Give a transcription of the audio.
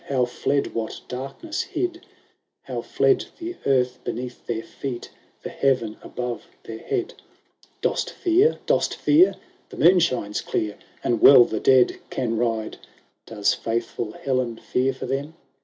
How fled what darkness hid ! How fled the earth beneath their feet, The heaven above their head ! LV " Dost fear ? dost fear ? The moon shines clear, And well the dead can ride ; Does faithful Helen fear for them